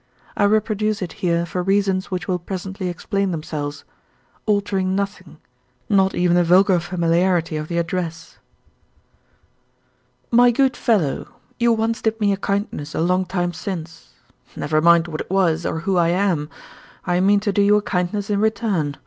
I reproduce it here for reasons which will presently explain themselves altering nothing, not even the vulgar familiarity of the address. "My good fellow, you once did me a kindness a long time since. Never mind what it was or who I am. I mean to do you a kindness in return.